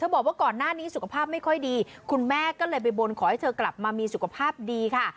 บอกว่าก่อนหน้านี้สุขภาพไม่ค่อยดีคุณแม่ก็เลยไปบนขอให้เธอกลับมามีสุขภาพดีค่ะ